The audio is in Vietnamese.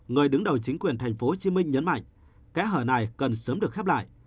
người đứng đầu chính quyền tp hcm nhấn mạnh kẽ hở này cần sớm được khép lại